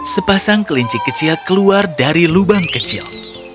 sepasang kelinci kecil keluar dari lubang kecil